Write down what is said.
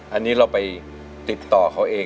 อันนี้เราไปติดต่อเขาเอง